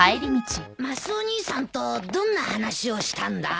マスオ兄さんとどんな話をしたんだ？